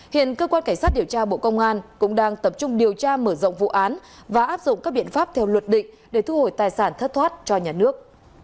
hiện cơ quan cảnh sát điều tra bộ công an cũng đang tập trung điều tra mở rộng vụ án và áp dụng các biện pháp theo luật định để thu hồi tài sản thất thoát cho nhà nước